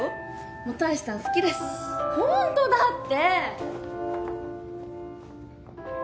本橋さん好きだしほんとだって。